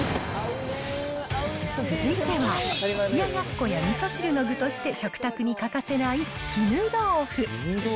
続いては、冷奴やみそ汁の具として食卓に欠かせない絹豆腐。